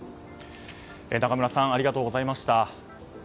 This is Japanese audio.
仲村さんありがとうございました。